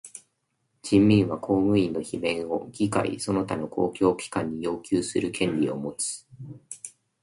人民は公務員の罷免を議会その他の公共機関に要求する権利をもつ。